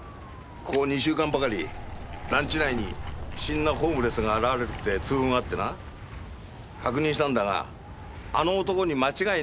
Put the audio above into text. ここ２週間ばかり団地内に不審なホームレスが現れるって通報があってな確認したんだがあの男に間違いないっつってんだ